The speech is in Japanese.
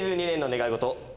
２０２２年の願い事。